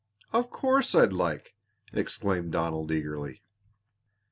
"Of course I'd like!" exclaimed Donald eagerly.